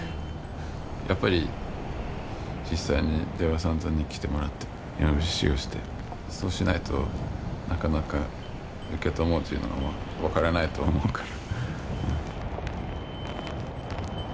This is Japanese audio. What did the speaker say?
やっぱり実際に出羽三山に来てもらって山伏修行してそうしないとなかなか「うけたもう」というのは分からないと思うから。